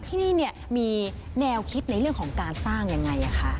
ที่นี่มีแนวคิดในเรื่องของการสร้างยังไงคะ